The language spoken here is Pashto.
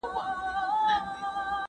د کار وخت کمول د تولید کموالی نه راوړي.